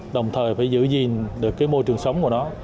đồng thời phải giữ gìn được cái môi trường sống của nó